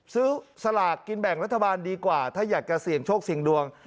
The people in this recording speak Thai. สลากกินแบ่งรัฐบาลดีกว่าถ้าอยากจะเสี่ยงโชคเสี่ยงดวง